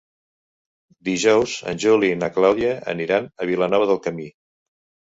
Dijous en Juli i na Clàudia aniran a Vilanova del Camí.